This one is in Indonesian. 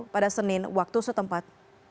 pada senin waktu setempat